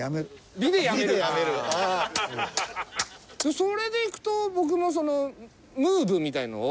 それでいくと僕もムーブみたいなのを。